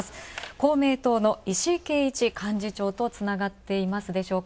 公明党の石井啓一幹事長とつながっていますでしょうか。